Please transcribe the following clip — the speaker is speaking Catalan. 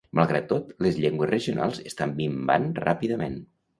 Malgrat tot, les llengües regionals estan minvant ràpidament.